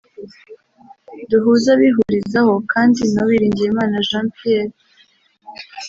Duhuze abihurizaho kandi na Uwiringiyimana Jean Pierre